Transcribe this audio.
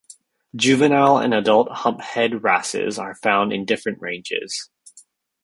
Juvenile and adult humphead wrasses are found in different ranges.